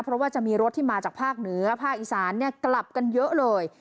เพราะว่าจะมีรถที่มาจากภาคเหนือภาคอีสานกลับกันเยอะเลย